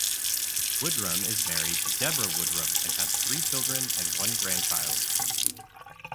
Woodrum is married to Debra Woodrum and has three children and one grandchild.